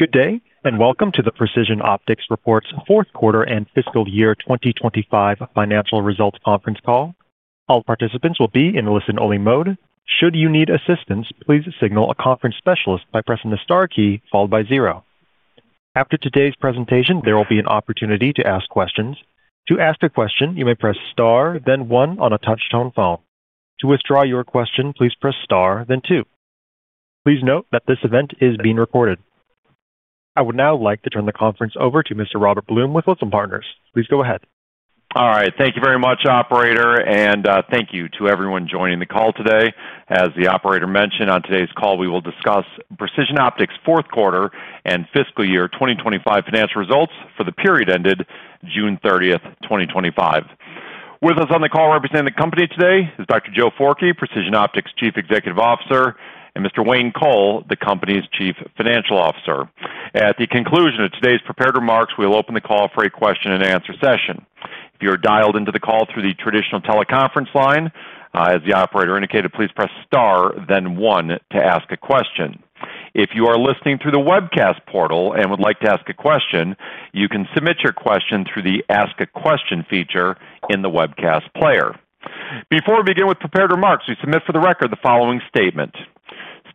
Good day and welcome to the Precision Optics Corporation's Fourth Quarter and Fiscal Year 2025 Financial Results Conference Call. All participants will be in listen-only mode. Should you need assistance, please signal a conference specialist by pressing the star key followed by zero. After today's presentation, there will be an opportunity to ask questions. To ask a question, you may press star, then one on a touch-tone phone. To withdraw your question, please press star, then two. Please note that this event is being recorded. I would now like to turn the conference over to Mr. Robert Blum with Wilson Partners. Please go ahead. All right. Thank you very much, Operator, and thank you to everyone joining the call today. As the Operator mentioned, on today's call, we will discuss Precision Optics Corporation's Fourth Quarter and Fiscal Year 2025 Financial Results for the period ended June 30, 2025. With us on the call representing the company today is Dr. Joe Forkey, Precision Optics Corporation's Chief Executive Officer, and Mr. Wayne Coll, the company's Chief Financial Officer. At the conclusion of today's prepared remarks, we will open the call for a question-and-answer session. If you are dialed into the call through the traditional teleconference line, as the Operator indicated, please press star, then one to ask a question. If you are listening through the webcast portal and would like to ask a question, you can submit your question through the Ask a Question feature in the webcast player. Before we begin with prepared remarks, we submit for the record the following statement.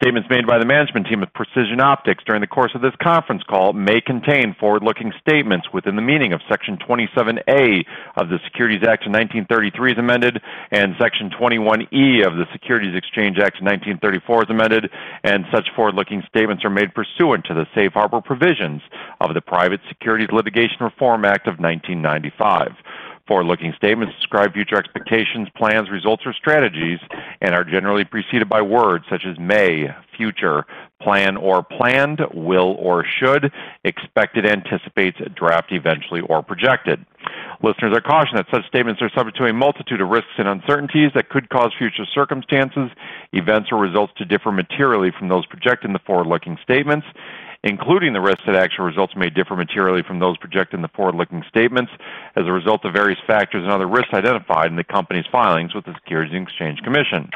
Statements made by the management team of Precision Optics Corporation during the course of this conference call may contain forward-looking statements within the meaning of Section 27(a) of the Securities Act of 1933 as amended, and Section 21(e) of the Securities Exchange Act of 1934 as amended, and such forward-looking statements are made pursuant to the Safe Harbor provisions of the Private Securities Litigation Reform Act of 1995. Forward-looking statements describe future expectations, plans, results, or strategies and are generally preceded by words such as may, future, plan or planned, will or should, expected, anticipates, draft, eventually, or projected. Listeners are cautioned that such statements are subject to a multitude of risks and uncertainties that could cause future circumstances, events, or results to differ materially from those projected in the forward-looking statements, including the risks that actual results may differ materially from those projected in the forward-looking statements as a result of various factors and other risks identified in the company's filings with the Securities and Exchange Commission.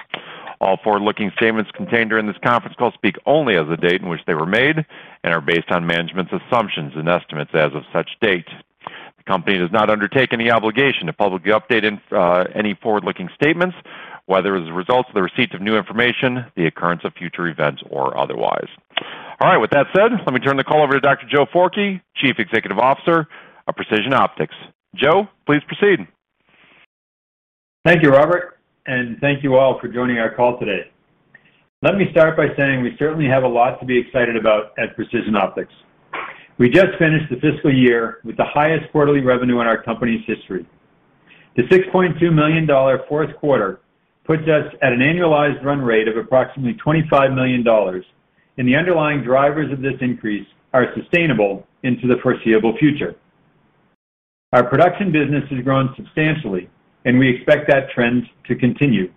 All forward-looking statements contained during this conference call speak only as of the date on which they were made and are based on management's assumptions and estimates as of such date. The company does not undertake any obligation to publicly update any forward-looking statements, whether as a result of the receipt of new information, the occurrence of future events, or otherwise. All right. With that said, let me turn the call over to Dr. Joe Forkey, Chief Executive Officer of Precision Optics Corporation. Joe, please proceed. Thank you, Robert, and thank you all for joining our call today. Let me start by saying we certainly have a lot to be excited about at Precision Optics Corporation. We just finished the fiscal year with the highest quarterly revenue in our company's history. The $6.2 million fourth quarter puts us at an annualized run rate of approximately $25 million, and the underlying drivers of this increase are sustainable into the foreseeable future. Our production business has grown substantially, and we expect that trend to continue.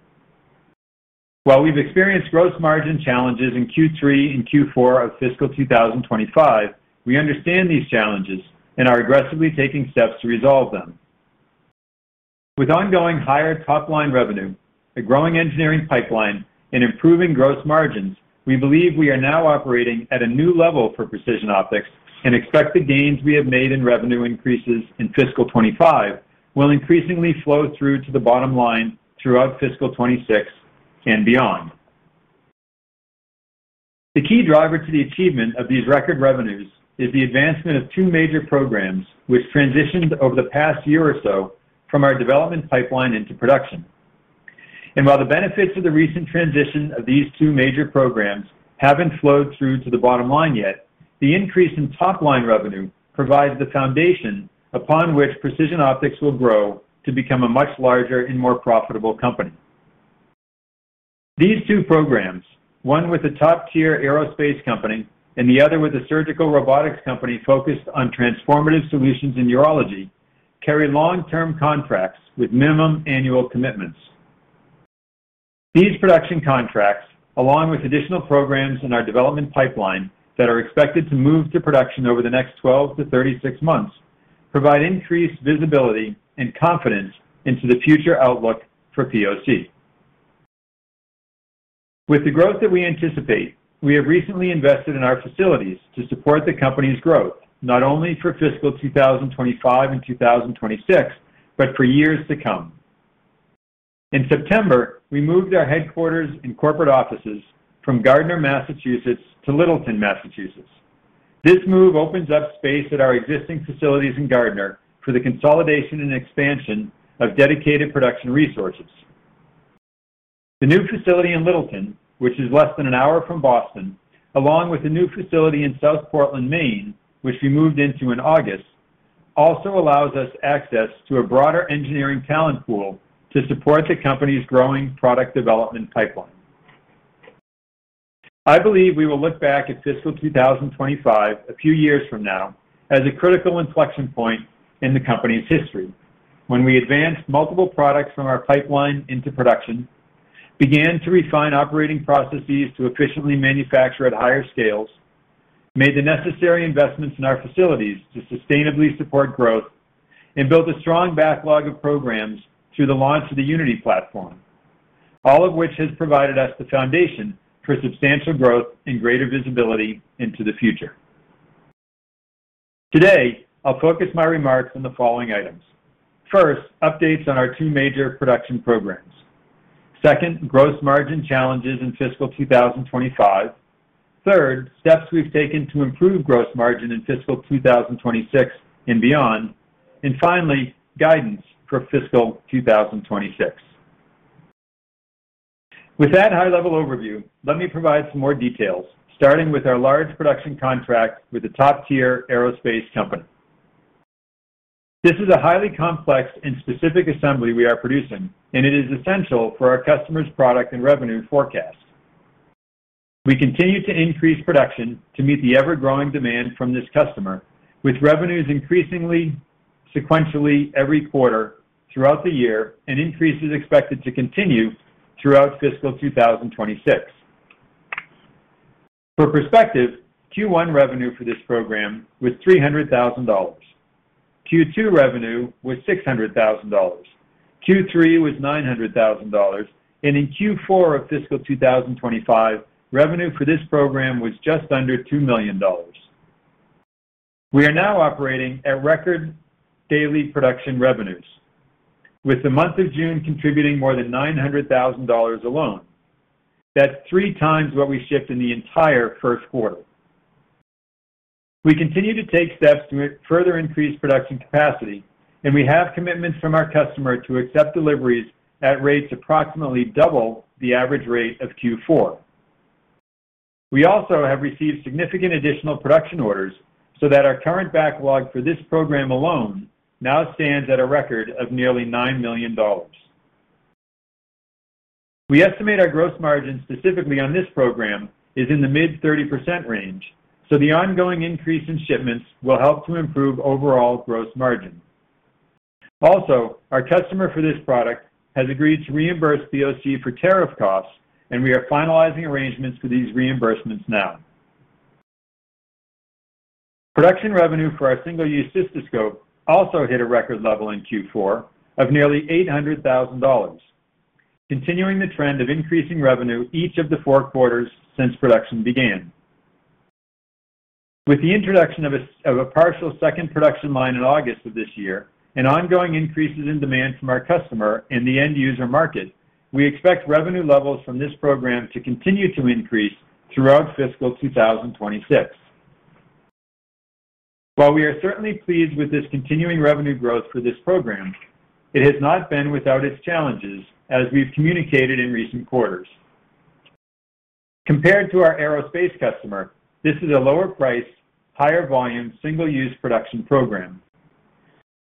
While we've experienced gross margin challenges in Q3 and Q4 of fiscal 2025, we understand these challenges and are aggressively taking steps to resolve them. With ongoing higher top-line revenue, a growing engineering pipeline, and improving gross margins, we believe we are now operating at a new level for Precision Optics Corporation and expect the gains we have made in revenue increases in fiscal 2025 will increasingly flow through to the bottom line throughout fiscal 2026 and beyond. The key driver to the achievement of these record revenues is the advancement of two major programs, which transitioned over the past year or so from our development pipeline into production. While the benefits of the recent transition of these two major programs haven't flowed through to the bottom line yet, the increase in top-line revenue provides the foundation upon which Precision Optics Corporation will grow to become a much larger and more profitable company. These two programs, one with a top-tier aerospace company and the other with a surgical robotics company focused on transformative solutions in urology, carry long-term contracts with minimum annual commitments. These production contracts, along with additional programs in our development pipeline that are expected to move to production over the next 12 to 36 months, provide increased visibility and confidence into the future outlook for Precision Optics Corporation. With the growth that we anticipate, we have recently invested in our facilities to support the company's growth, not only for fiscal 2025 and 2026, but for years to come. In September, we moved our headquarters and corporate offices from Gardner, Massachusetts, to Littleton, Massachusetts. This move opens up space at our existing facilities in Gardner for the consolidation and expansion of dedicated production resources. The new facility in Littleton, which is less than an hour from Boston, along with a new facility in South Portland, Maine, which we moved into in August, also allows us access to a broader engineering talent pool to support the company's growing product development pipeline. I believe we will look back at fiscal 2025, a few years from now, as a critical inflection point in the company's history, when we advanced multiple products from our pipeline into production, began to refine operating processes to efficiently manufacture at higher scales, made the necessary investments in our facilities to sustainably support growth, and built a strong backlog of programs through the launch of the Unity imaging platform, all of which has provided us the foundation for substantial growth and greater visibility into the future. Today, I'll focus my remarks on the following items. First, updates on our two major production programs. Second, gross margin challenges in fiscal 2025. Third, steps we've taken to improve gross margin in fiscal 2026 and beyond. Finally, guidance for fiscal 2026. With that high-level overview, let me provide some more details, starting with our large production contract with a top-tier aerospace company. This is a highly complex and specific assembly we are producing, and it is essential for our customer's product and revenue forecast. We continue to increase production to meet the ever-growing demand from this customer, with revenues increasing sequentially every quarter throughout the year, and increases expected to continue throughout fiscal 2026. For perspective, Q1 revenue for this program was $300,000. Q2 revenue was $600,000. Q3 was $900,000. In Q4 of fiscal 2025, revenue for this program was just under $2 million. We are now operating at record daily production revenues, with the month of June contributing more than $900,000 alone. That's three times what we shipped in the entire first quarter. We continue to take steps to further increase production capacity, and we have commitments from our customer to accept deliveries at rates approximately double the average rate of Q4. We also have received significant additional production orders so that our current backlog for this program alone now stands at a record of nearly $9 million. We estimate our gross margin specifically on this program is in the mid-30% range, so the ongoing increase in shipments will help to improve overall gross margin. Also, our customer for this product has agreed to reimburse Precision Optics Corporation for tariff costs, and we are finalizing arrangements for these reimbursements now. Production revenue for our single-use cystoscope also hit a record level in Q4 of nearly $800,000, continuing the trend of increasing revenue each of the four quarters since production began. With the introduction of a partial second production line in August of this year and ongoing increases in demand from our customer and the end-user market, we expect revenue levels from this program to continue to increase throughout fiscal 2026. While we are certainly pleased with this continuing revenue growth for this program, it has not been without its challenges, as we've communicated in recent quarters. Compared to our aerospace customer, this is a lower-priced, higher-volume single-use production program.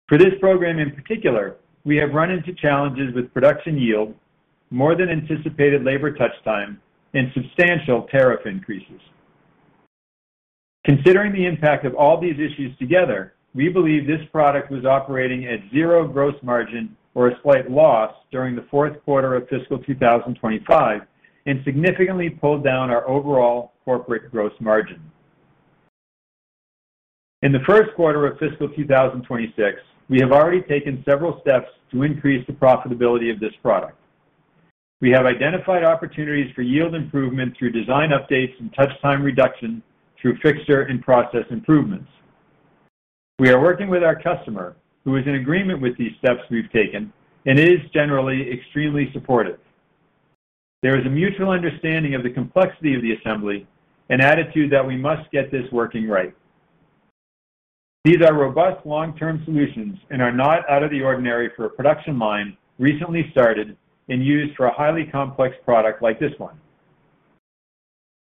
For this program in particular, we have run into challenges with production yield, more than anticipated labor touch time, and substantial tariff increases. Considering the impact of all these issues together, we believe this product was operating at zero gross margin or a slight loss during the fourth quarter of fiscal 2025 and significantly pulled down our overall corporate gross margin. In the first quarter of fiscal 2026, we have already taken several steps to increase the profitability of this product. We have identified opportunities for yield improvement through design updates and touch time reduction through fixture and process improvements. We are working with our customer, who is in agreement with these steps we've taken and is generally extremely supportive. There is a mutual understanding of the complexity of the assembly and attitude that we must get this working right. These are robust long-term solutions and are not out of the ordinary for a production line recently started and used for a highly complex product like this one.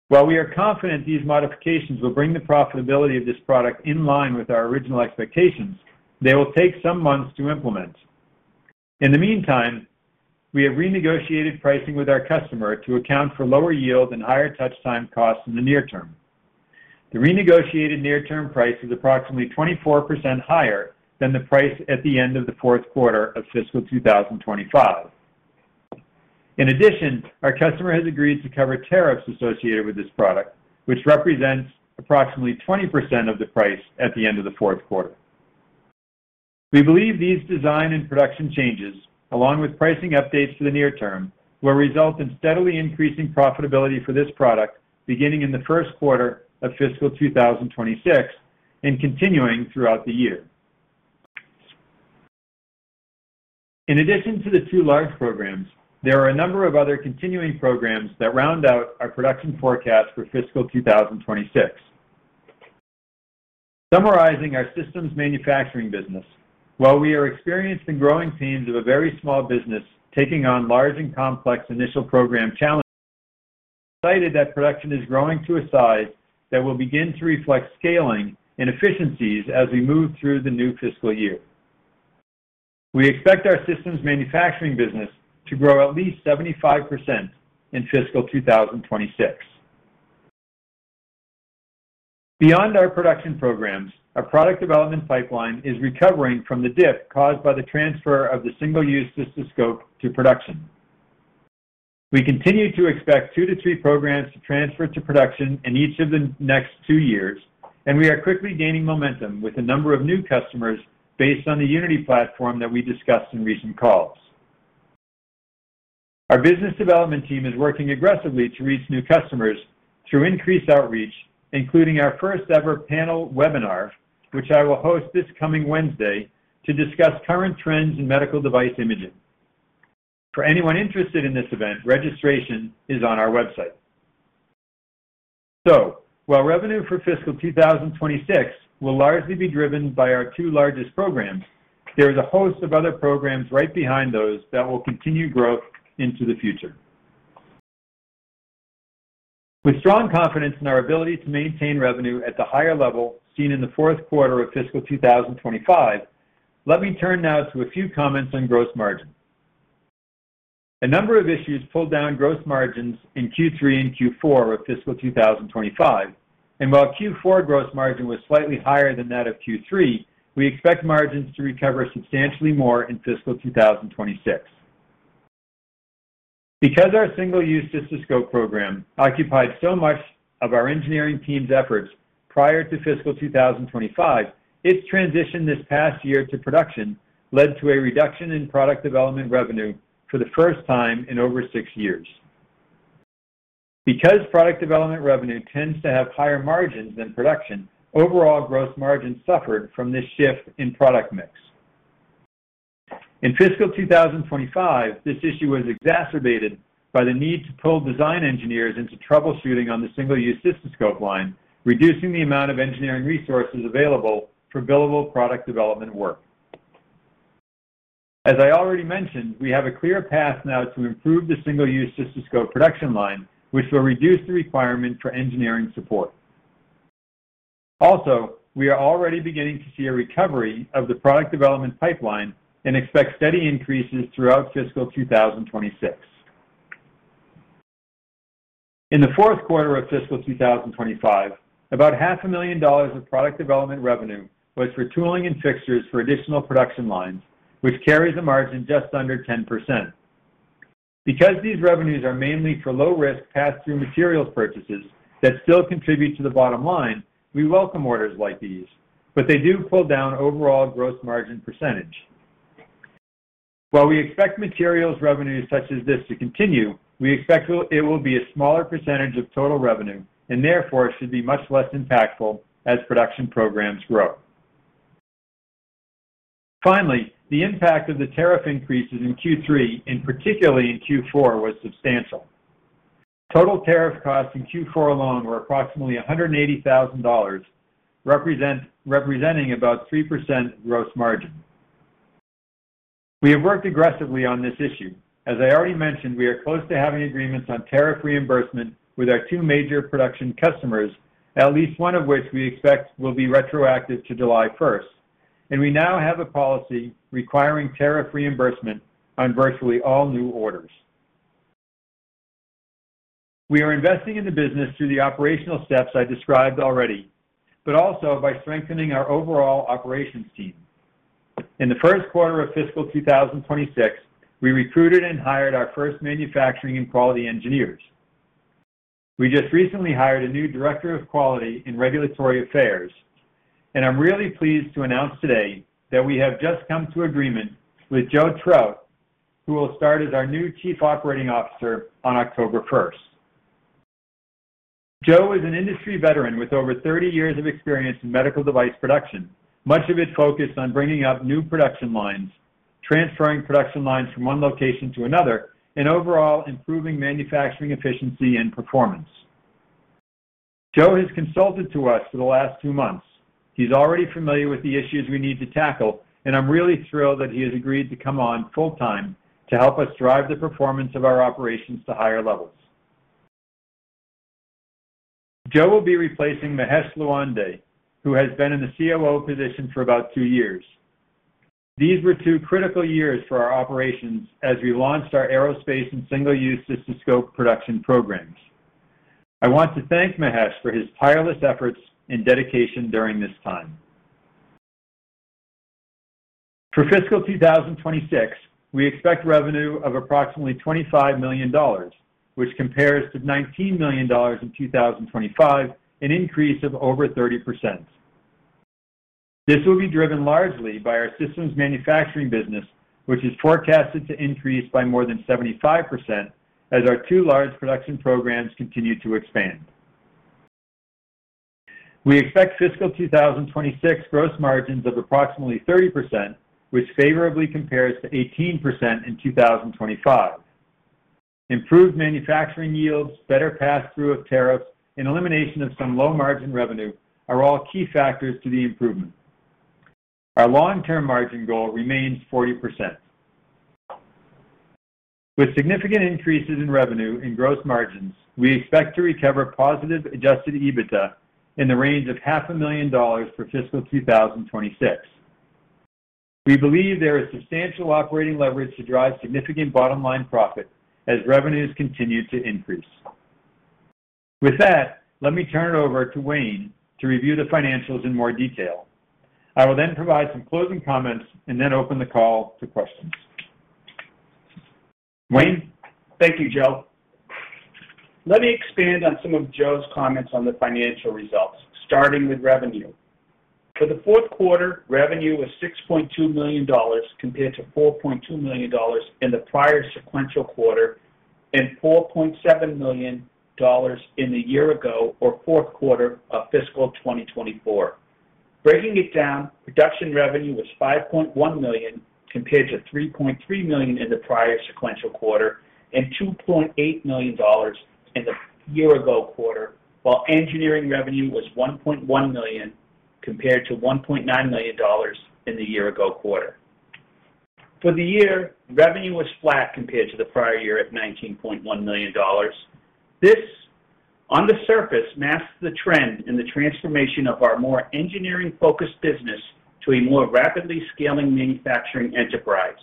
While we are confident these modifications will bring the profitability of this product in line with our original expectations, they will take some months to implement. In the meantime, we have renegotiated pricing with our customer to account for lower yield and higher touch time costs in the near term. The renegotiated near-term price is approximately 24% higher than the price at the end of the fourth quarter of fiscal 2025. In addition, our customer has agreed to cover tariffs associated with this product, which represents approximately 20% of the price at the end of the fourth quarter. We believe these design and production changes, along with pricing updates to the near term, will result in steadily increasing profitability for this product beginning in the first quarter of fiscal 2026 and continuing throughout the year. In addition to the two large programs, there are a number of other continuing programs that round out our production forecast for fiscal 2026. Summarizing our systems manufacturing business, while we are experienced in growing themes of a very small business taking on large and complex initial program challenges, we are excited that production is growing to a size that will begin to reflect scaling and efficiencies as we move through the new fiscal year. We expect our systems manufacturing business to grow at least 75% in fiscal 2026. Beyond our production programs, our product development pipeline is recovering from the dip caused by the transfer of the single-use cystoscope to production. We continue to expect two to three programs to transfer to production in each of the next two years, and we are quickly gaining momentum with a number of new customers based on the Unity imaging platform that we discussed in recent calls. Our business development team is working aggressively to reach new customers through increased outreach, including our first-ever panel webinar, which I will host this coming Wednesday to discuss current trends in medical device imaging. For anyone interested in this event, registration is on our website. Revenue for fiscal 2026 will largely be driven by our two largest programs, and there are a host of other programs right behind those that will continue growth into the future. With strong confidence in our ability to maintain revenue at the higher level seen in the fourth quarter of fiscal 2025, let me turn now to a few comments on gross margins. A number of issues pulled down gross margins in Q3 and Q4 of fiscal 2025, and while Q4 gross margin was slightly higher than that of Q3, we expect margins to recover substantially more in fiscal 2026. Because our single-use cystoscope program occupied so much of our engineering team's efforts prior to fiscal 2025, its transition this past year to production led to a reduction in product development revenue for the first time in over six years. Because product development revenue tends to have higher margins than production, overall gross margins suffered from this shift in product mix. In fiscal 2025, this issue was exacerbated by the need to pull design engineers into troubleshooting on the single-use cystoscope line, reducing the amount of engineering resources available for billable product development work. As I already mentioned, we have a clear path now to improve the single-use cystoscope production line, which will reduce the requirement for engineering support. Also, we are already beginning to see a recovery of the product development pipeline and expect steady increases throughout fiscal 2026. In the fourth quarter of fiscal 2025, about $0.5 million of product development revenue was for tooling and fixtures for additional production lines, which carries a margin just under 10%. Because these revenues are mainly for low-risk pass-through materials purchases that still contribute to the bottom line, we welcome orders like these, but they do pull down overall gross margin %. While we expect materials revenues such as this to continue, we expect it will be a smaller % of total revenue and therefore should be much less impactful as production programs grow. Finally, the impact of the tariff increases in Q3 and particularly in Q4 was substantial. Total tariff costs in Q4 alone were approximately $180,000, representing about 3% gross margin. We have worked aggressively on this issue. As I already mentioned, we are close to having agreements on tariff reimbursement with our two major production customers, at least one of which we expect will be retroactive to July 1. We now have a policy requiring tariff reimbursement on virtually all new orders. We are investing in the business through the operational steps I described already, but also by strengthening our overall operations team. In the first quarter of fiscal 2026, we recruited and hired our first manufacturing and quality engineers. We just recently hired a new Director of Quality and Regulatory Affairs, and I'm really pleased to announce today that we have just come to agreement with Joe Trout, who will start as our new Chief Operating Officer on October 1. Joe is an industry veteran with over 30 years of experience in medical device production, much of it focused on bringing up new production lines, transferring production lines from one location to another, and overall improving manufacturing efficiency and performance. Joe has consulted to us for the last two months. He's already familiar with the issues we need to tackle, and I'm really thrilled that he has agreed to come on full-time to help us drive the performance of our operations to higher levels. Joe will be replacing Mahesh Luande, who has been in the COO position for about two years. These were two critical years for our operations as we launched our aerospace and single-use cystoscope production programs. I want to thank Mahesh for his tireless efforts and dedication during this time. For fiscal 2026, we expect revenue of approximately $25 million, which compares to $19 million in 2025, an increase of over 30%. This will be driven largely by our systems manufacturing business, which is forecasted to increase by more than 75% as our two large production programs continue to expand. We expect fiscal 2026 gross margins of approximately 30%, which favorably compares to 18% in 2025. Improved manufacturing yields, better pass-through of tariffs, and elimination of some low margin revenue are all key factors to the improvement. Our long-term margin goal remains 40%. With significant increases in revenue and gross margins, we expect to recover positive adjusted EBITDA in the range of half a million dollars for fiscal 2026. We believe there is substantial operating leverage to drive significant bottom line profit as revenues continue to increase. With that, let me turn it over to Wayne to review the financials in more detail. I will then provide some closing comments and then open the call to questions. Wayne, thank you, Joe. Let me expand on some of Joe's comments on the financial results, starting with revenue. For the fourth quarter, revenue was $6.2 million compared to $4.2 million in the prior sequential quarter and $4.7 million in the year ago, or fourth quarter of fiscal 2024. Breaking it down, production revenue was $5.1 million compared to $3.3 million in the prior sequential quarter and $2.8 million in the year-ago quarter, while engineering revenue was $1.1 million compared to $1.9 million in the year-ago quarter. For the year, revenue was flat compared to the prior year at $19.1 million. This, on the surface, masks the trend in the transformation of our more engineering-focused business to a more rapidly scaling manufacturing enterprise.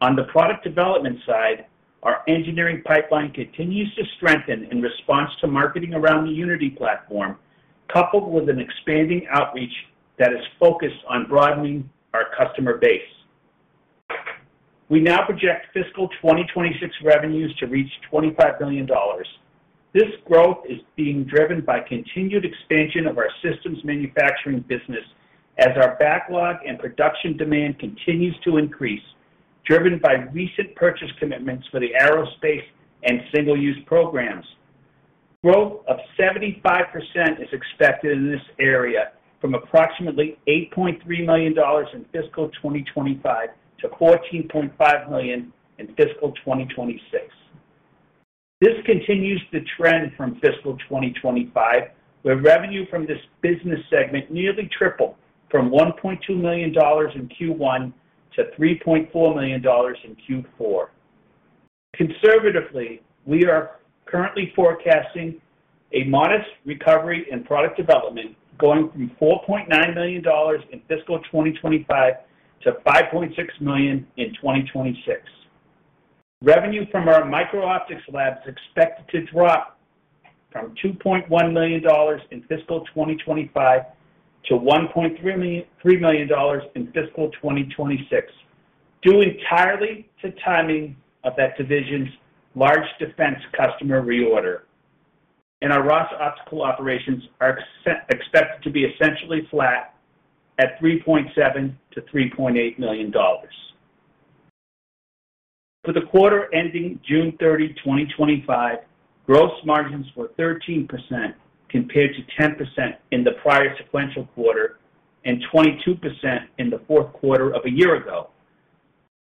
On the product development side, our engineering pipeline continues to strengthen in response to marketing around the Unity imaging platform, coupled with an expanding outreach that is focused on broadening our customer base. We now project fiscal 2026 revenues to reach $25 million. This growth is being driven by continued expansion of our systems manufacturing business as our backlog and production demand continues to increase, driven by recent purchase commitments for the aerospace and single-use programs. Growth of 75% is expected in this area from approximately $8.3 million in fiscal 2025 to $14.5 million in fiscal 2026. This continues the trend from fiscal 2025, where revenue from this business segment nearly tripled from $1.2 million in Q1 to $3.4 million in Q4. Conservatively, we are currently forecasting a modest recovery in product development, going from $4.9 million in fiscal 2025 to $5.6 million in 2026. Revenue from our micro-optics lab is expected to drop from $2.1 million in fiscal 2025 to $1.3 million in fiscal 2026, due entirely to timing of that division's large defense customer reorder. Our Ross Optical operations are expected to be essentially flat at $3.7 to $3.8 million. For the quarter ending June 30, 2025, gross margins were 13% compared to 10% in the prior sequential quarter and 22% in the fourth quarter of a year ago.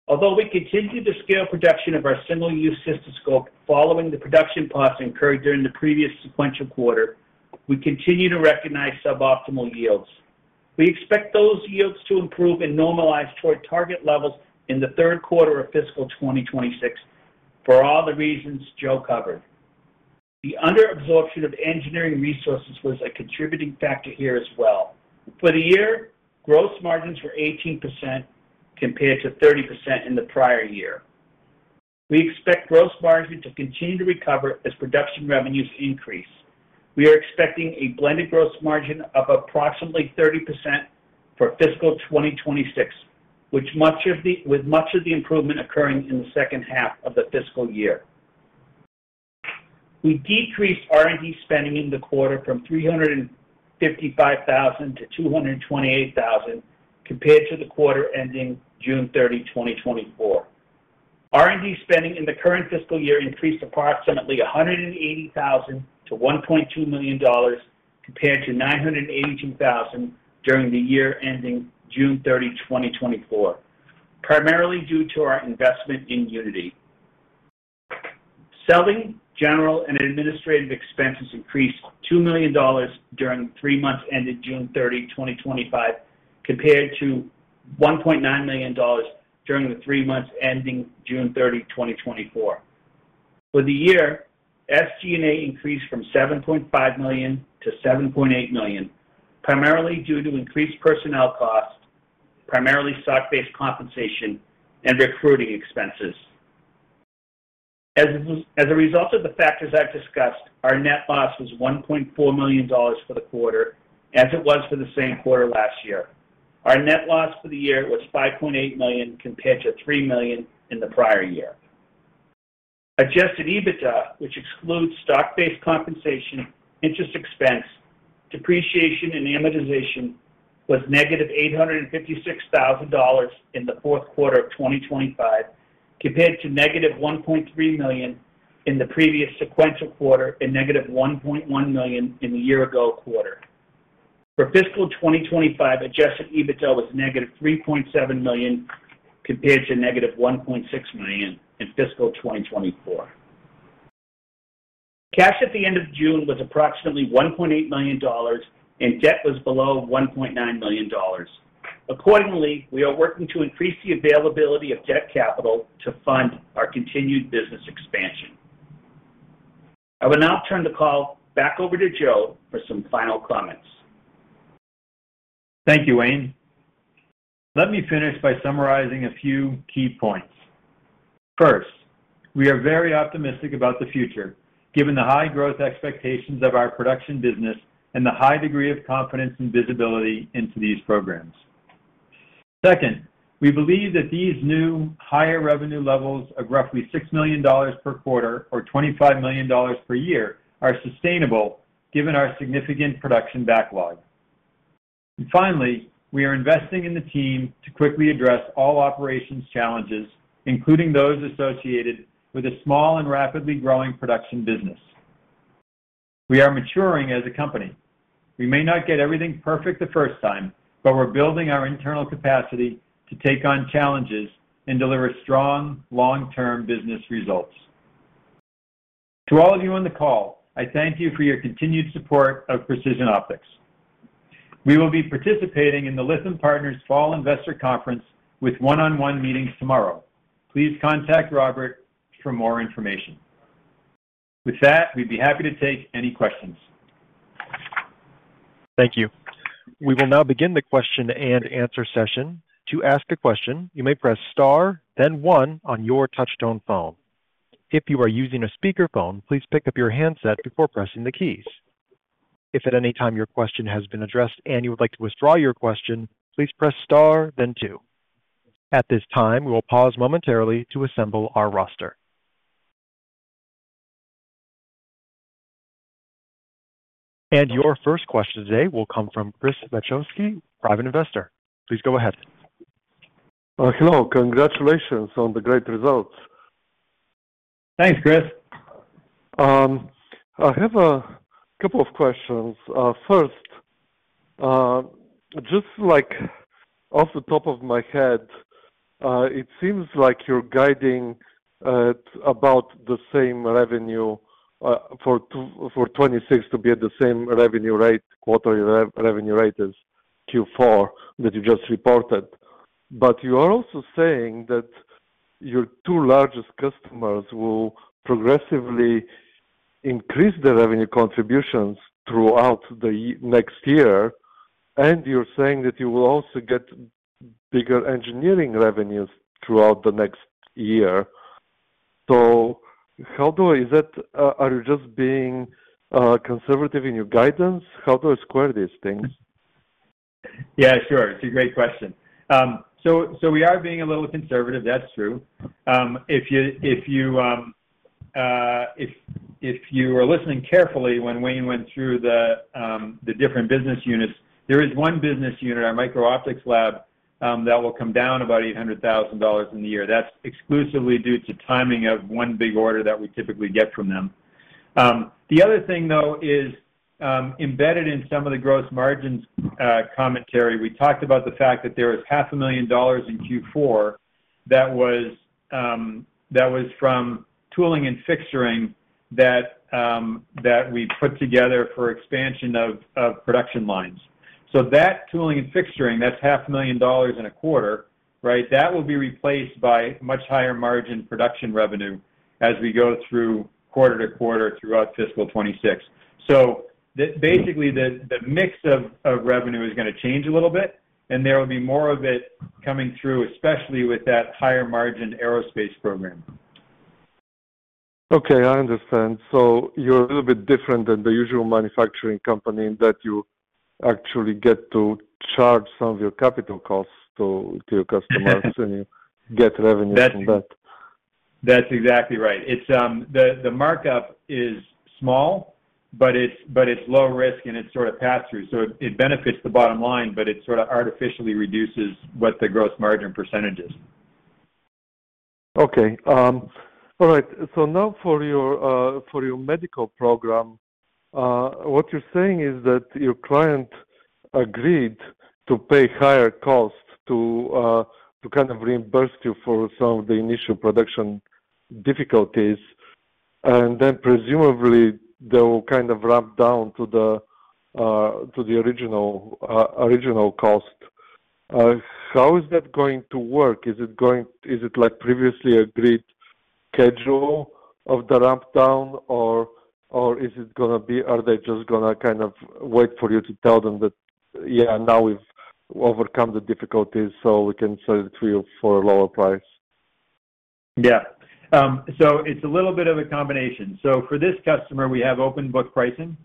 Although we continue to scale production of our single-use cystoscope following the production costs incurred during the previous sequential quarter, we continue to recognize suboptimal yields. We expect those yields to improve and normalize toward target levels in the third quarter of fiscal 2026 for all the reasons Joe covered. The underabsorption of engineering resources was a contributing factor here as well. For the year, gross margins were 18% compared to 30% in the prior year. We expect gross margin to continue to recover as production revenues increase. We are expecting a blended gross margin of approximately 30% for fiscal 2026, with much of the improvement occurring in the second half of the fiscal year. We decreased R&D spending in the quarter from $355,000 to $228,000 compared to the quarter ending June 30, 2024. R&D spending in the current fiscal year increased approximately $180,000 to $1.2 million compared to $982,000 during the year ending June 30, 2024, primarily due to our investment in Unity. Selling, general, and administrative expenses increased $2 million during the three months ended June 30, 2025, compared to $1.9 million during the three months ending June 30, 2024. For the year, SG&A increased from $7.5 million to $7.8 million, primarily due to increased personnel costs, primarily stock-based compensation, and recruiting expenses. As a result of the factors I've discussed, our net loss was $1.4 million for the quarter, as it was for the same quarter last year. Our net loss for the year was $5.8 million compared to $3 million in the prior year. Adjusted EBITDA, which excludes stock-based compensation, interest expense, depreciation, and amortization, was negative $856,000 in the fourth quarter of 2025, compared to negative $1.3 million in the previous sequential quarter and negative $1.1 million in the year-ago quarter. For fiscal 2025, adjusted EBITDA was negative $3.7 million, compared to negative $1.6 million in fiscal 2024. Cash at the end of June was approximately $1.8 million, and debt was below $1.9 million. Accordingly, we are working to increase the availability of debt capital to fund our continued business expansion. I will now turn the call back over to Joe for some final comments. Thank you, Wayne. Let me finish by summarizing a few key points. First, we are very optimistic about the future, given the high growth expectations of our production business and the high degree of confidence and visibility into these programs. Second, we believe that these new higher revenue levels of roughly $6 million per quarter or $25 million per year are sustainable, given our significant production backlog. Finally, we are investing in the team to quickly address all operations challenges, including those associated with a small and rapidly growing production business. We are maturing as a company. We may not get everything perfect the first time, but we're building our internal capacity to take on challenges and deliver strong long-term business results. To all of you on the call, I thank you for your continued support of Precision Optics Corporation. We will be participating in the Lichten Partners Fall Investor Conference with one-on-one meetings tomorrow. Please contact Robert for more information. With that, we'd be happy to take any questions. Thank you. We will now begin the question-and-answer session. To ask a question, you may press star, then one on your touch-tone phone. If you are using a speaker phone, please pick up your handset before pressing the keys. If at any time your question has been addressed and you would like to withdraw your question, please press star, then two. At this time, we will pause momentarily to assemble our roster. Your first question today will come from Chris Vachowski, private investor. Please go ahead. Hello. Congratulations on the great results. Thanks, Chris. I have a couple of questions. First, just off the top of my head, it seems like you're guiding about the same revenue for 2026 to be at the same revenue rate, quarterly revenue rate as Q4 that you just reported. You are also saying that your two largest customers will progressively increase their revenue contributions throughout the next year, and you're saying that you will also get bigger engineering revenues throughout the next year. How do I—are you just being conservative in your guidance? How do I square these things? Yeah, sure. It's a great question. We are being a little conservative. That's true. If you were listening carefully when Wayne went through the different business units, there is one business unit, our micro-optics lab, that will come down about $800,000 in the year. That's exclusively due to timing of one big order that we typically get from them. The other thing, though, is embedded in some of the gross margins commentary, we talked about the fact that there was $500,000 in Q4 that was from tooling and fixturing that we put together for expansion of production lines. That tooling and fixturing, that's $500,000 in a quarter, right? That will be replaced by much higher margin production revenue as we go through quarter to quarter throughout fiscal 2026. Basically, the mix of revenue is going to change a little bit, and there will be more of it coming through, especially with that higher margin aerospace program. Okay, I understand. You're a little bit different than the usual manufacturing company in that you actually get to charge some of your capital costs to your customers, and you get revenue from that. That's exactly right. The markup is small, but it's low risk, and it's sort of pass-through. It benefits the bottom line, but it sort of artificially reduces what the gross margin % is. All right. For your medical program, what you're saying is that your client agreed to pay higher costs to kind of reimburse you for some of the initial production difficulties, and then presumably they will ramp down to the original cost. How is that going to work? Is it like a previously agreed schedule of the ramp down, or are they just going to wait for you to tell them that, "Yeah, now we've overcome the difficulties, so we can sell it to you for a lower price"? Yeah, it's a little bit of a combination. For this customer, we have open book pricing,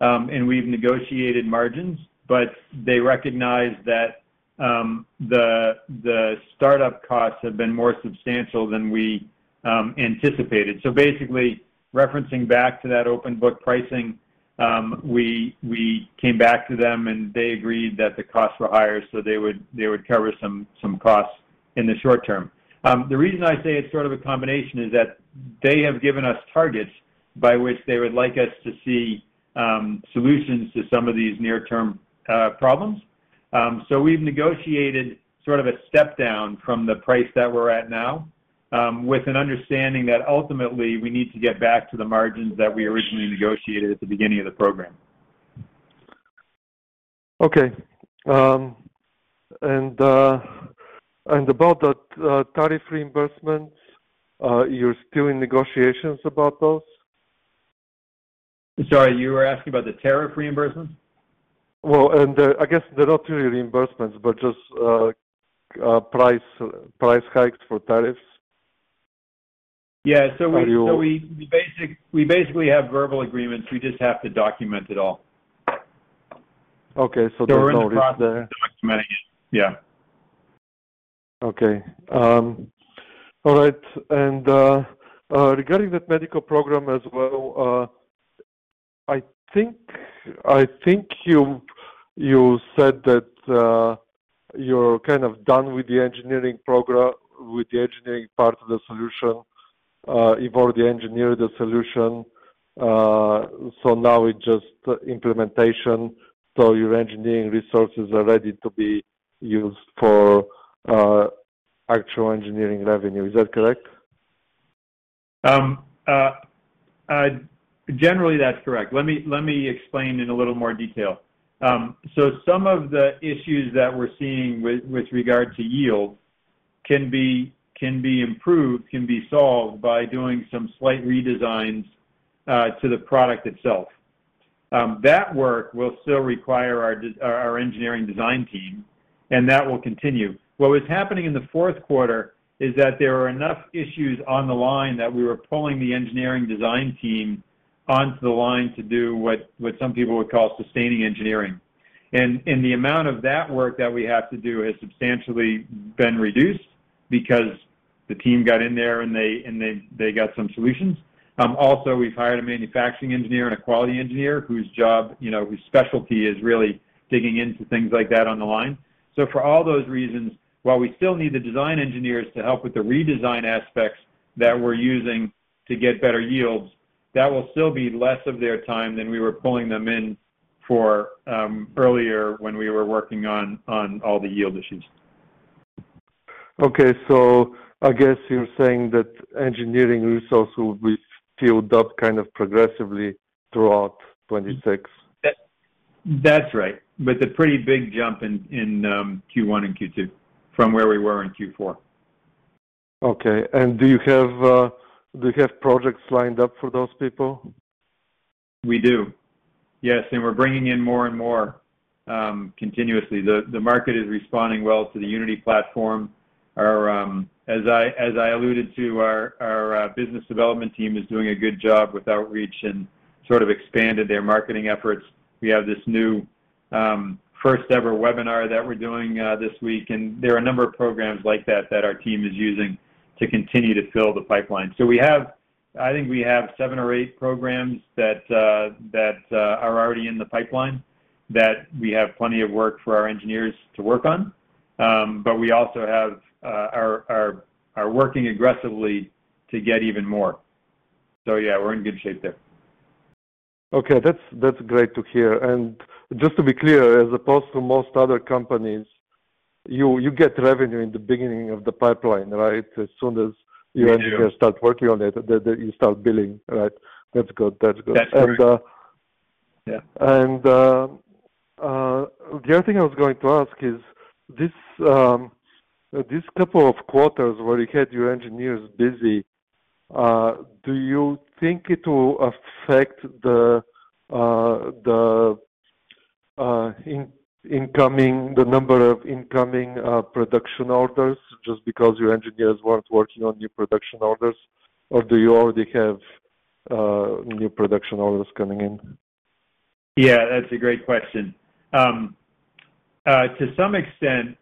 and we've negotiated margins, but they recognize that the startup costs have been more substantial than we anticipated. Basically, referencing back to that open book pricing, we came back to them, and they agreed that the costs were higher, so they would cover some costs in the short term. The reason I say it's sort of a combination is that they have given us targets by which they would like us to see solutions to some of these near-term problems. We've negotiated sort of a step down from the price that we're at now, with an understanding that ultimately we need to get back to the margins that we originally negotiated at the beginning of the program. Okay. About the tariff reimbursements, you're still in negotiations about those? Sorry, you were asking about the tariff reimbursement? They're not really reimbursements, but just price hikes for tariffs. Yeah, we basically have verbal agreements. We just have to document it all. Okay, there's no risk there. There are no risks to documenting it. All right. Regarding that medical program as well, I think you said that you're kind of done with the engineering program, with the engineering part of the solution. You've already engineered the solution. Now it's just implementation. Your engineering resources are ready to be used for actual engineering revenue. Is that correct? Generally, that's correct. Let me explain in a little more detail. Some of the issues that we're seeing with regard to yield can be improved, can be solved by doing some slight redesigns to the product itself. That work will still require our engineering design team, and that will continue. What was happening in the fourth quarter is that there were enough issues on the line that we were pulling the engineering design team onto the line to do what some people would call sustaining engineering. The amount of that work that we have to do has substantially been reduced because the team got in there and they got some solutions. Also, we've hired a Manufacturing Engineer and a Quality Engineer whose specialty is really digging into things like that on the line. For all those reasons, while we still need the design engineers to help with the redesign aspects that we're using to get better yields, that will still be less of their time than we were pulling them in for earlier when we were working on all the yield issues. Okay. I guess you're saying that engineering resources will be filled up kind of progressively throughout 2026? That's right. There was a pretty big jump in Q1 and Q2 from where we were in Q4. Okay. Do you have projects lined up for those people? We do. Yes. We're bringing in more and more continuously. The market is responding well to the Unity imaging platform. As I alluded to, our business development team is doing a good job with outreach and has expanded their marketing efforts. We have this new first-ever webinar that we're doing this week. There are a number of programs like that that our team is using to continue to fill the pipeline. We have, I think, seven or eight programs that are already in the pipeline that we have plenty of work for our engineers to work on. We're also working aggressively to get even more. Yeah, we're in good shape there. Okay. That's great to hear. Just to be clear, as opposed to most other companies, you get revenue in the beginning of the pipeline, right? As soon as your engineers start working on it, you start billing, right? That's good. That's good. That's correct. The other thing I was going to ask is, this couple of quarters where you had your engineers busy, do you think it will affect the number of incoming production orders just because your engineers weren't working on new production orders, or do you already have new production orders coming in? Yeah, that's a great question. To some extent,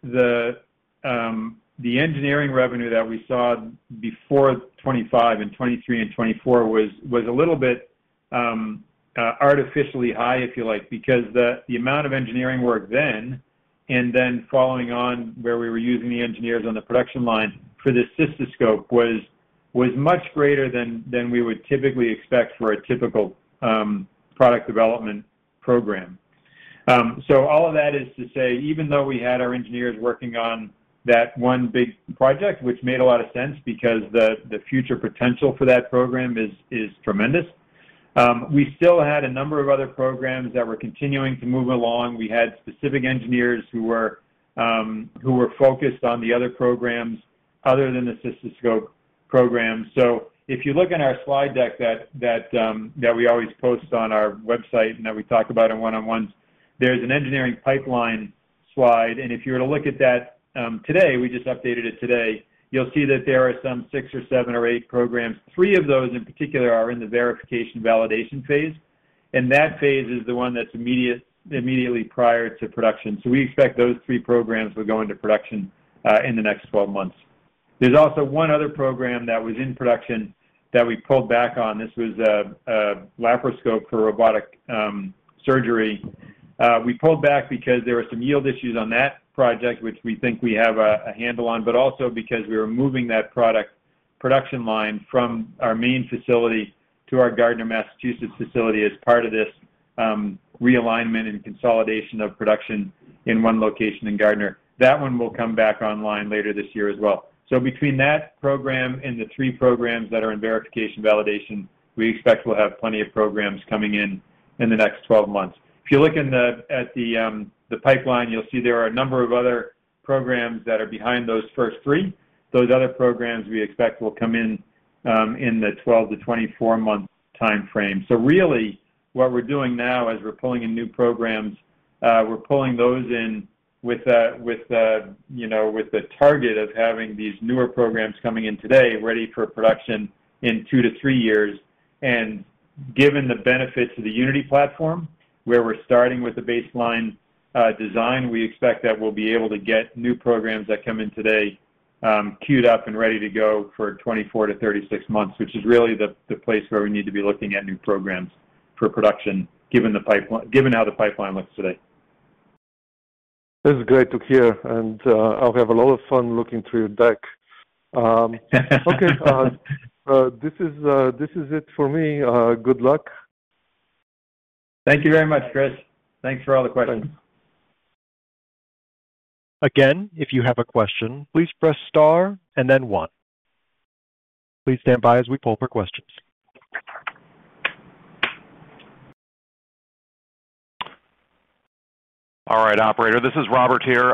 the engineering revenue that we saw before 2025 and 2023 and 2024 was a little bit artificially high, if you like, because the amount of engineering work then and then following on where we were using the engineers on the production lines for the cystoscope was much greater than we would typically expect for a typical product development program. All of that is to say, even though we had our engineers working on that one big project, which made a lot of sense because the future potential for that program is tremendous, we still had a number of other programs that were continuing to move along. We had specific engineers who were focused on the other programs other than the cystoscope program. If you look at our slide deck that we always post on our website and that we talk about in one-on-ones, there's an engineering pipeline slide. If you were to look at that today, we just updated it today, you'll see that there are some six or seven or eight programs. Three of those in particular are in the verification validation phase. That phase is the one that's immediately prior to production. We expect those three programs will go into production in the next 12 months. There's also one other program that was in production that we pulled back on. This was a laparoscope for robotic surgery. We pulled back because there were some yield issues on that project, which we think we have a handle on, but also because we were moving that product production line from our main facility to our Gardiner, Massachusetts facility as part of this realignment and consolidation of production in one location in Gardiner. That one will come back online later this year as well. Between that program and the three programs that are in verification validation, we expect we'll have plenty of programs coming in in the next 12 months. If you look at the pipeline, you'll see there are a number of other programs that are behind those first three. Those other programs we expect will come in in the 12 to 24-month timeframe. What we're doing now is we're pulling in new programs. We're pulling those in with the target of having these newer programs coming in today ready for production in two to three years. Given the benefits of the Unity imaging platform, where we're starting with the baseline design, we expect that we'll be able to get new programs that come in today queued up and ready to go for 24 to 36 months, which is really the place where we need to be looking at new programs for production, given how the pipeline looks today. That's great to hear. I'll have a lot of fun looking through your deck. This is it for me. Good luck. Thank you very much, Chris. Thanks for all the questions. Again, if you have a question, please press star and then one. Please stand by as we poll for questions. All right, Operator, this is Robert here.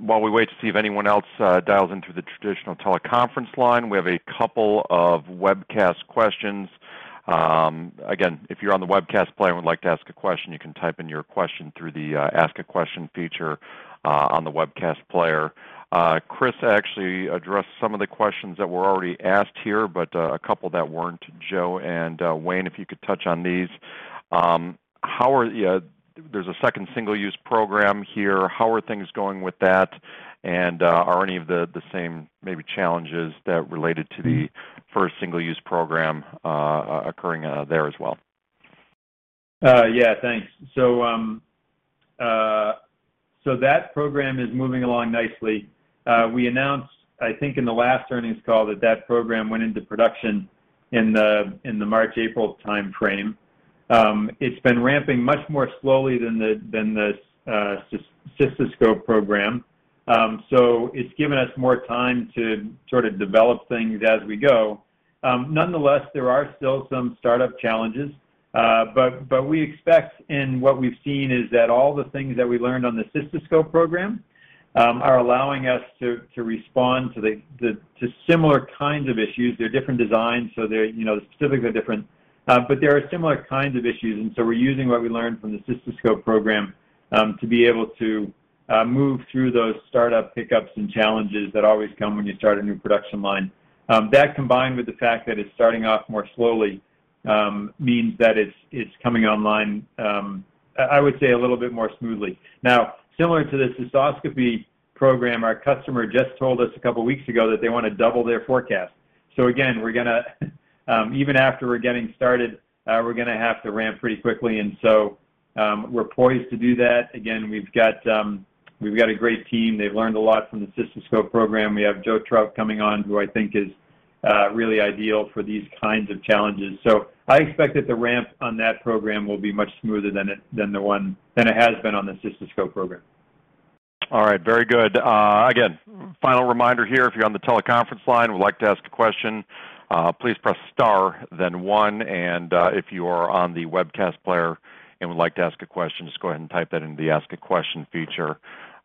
While we wait to see if anyone else dials in through the traditional teleconference line, we have a couple of webcast questions. Again, if you're on the webcast player and would like to ask a question, you can type in your question through the Ask a Question feature on the webcast player. Chris actually addressed some of the questions that were already asked here, but a couple that weren't. Joe and Wayne, if you could touch on these. There's a second single-use program here. How are things going with that? Are any of the same maybe challenges that related to the first single-use program occurring there as well? Yeah, thanks. That program is moving along nicely. We announced, I think, in the last earnings call that that program went into production in the March-April timeframe. It's been ramping much more slowly than the cystoscope program, so it's given us more time to sort of develop things as we go. Nonetheless, there are still some startup challenges. We expect, and what we've seen is that all the things that we learned on the cystoscope program are allowing us to respond to similar kinds of issues. They're different designs, so the specifics are different, but there are similar kinds of issues. We're using what we learned from the cystoscope program to be able to move through those startup hiccups and challenges that always come when you start a new production line. That, combined with the fact that it's starting off more slowly, means that it's coming online, I would say, a little bit more smoothly. Now, similar to the cystoscope program, our customer just told us a couple of weeks ago that they want to double their forecast. Again, even after we're getting started, we're going to have to ramp pretty quickly, and we're poised to do that. We've got a great team. They've learned a lot from the cystoscope program. We have Joe Trout coming on, who I think is really ideal for these kinds of challenges. I expect that the ramp on that program will be much smoother than the one it has been on the cystoscope program. All right, very good. Final reminder here, if you're on the teleconference line and would like to ask a question, please press star, then one. If you are on the webcast player and would like to ask a question, just go ahead and type that into the Ask a Question feature.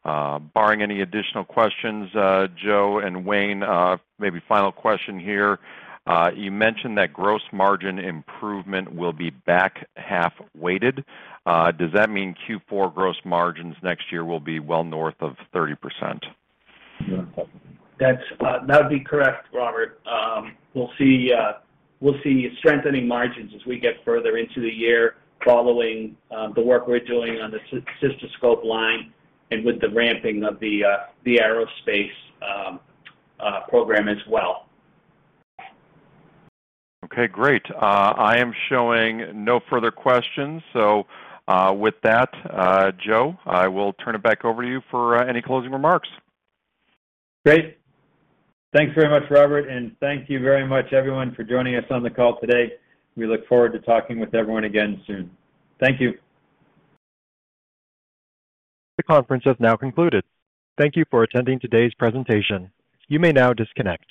Barring any additional questions, Joe and Wayne, maybe final question here. You mentioned that gross margin improvement will be back half weighted. Does that mean Q4 gross margins next year will be well north of 30%? That would be correct, Robert. We'll see strengthening margins as we get further into the year following the work we're doing on the single-use cystoscope line and with the ramping of the aerospace program as well. Okay, great. I am showing no further questions. With that, Joe, I will turn it back over to you for any closing remarks. Great. Thanks very much, Robert, and thank you very much, everyone, for joining us on the call today. We look forward to talking with everyone again soon. Thank you. The conference has now concluded. Thank you for attending today's presentation. You may now disconnect.